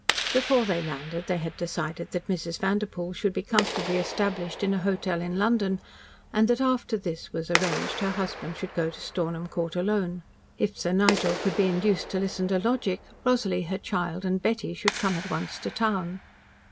Before they landed they had decided that Mrs. Vanderpoel should be comfortably established in a hotel in London, and that after this was arranged, her husband should go to Stornham Court alone. If Sir Nigel could be induced to listen to logic, Rosalie, her child, and Betty should come at once to town.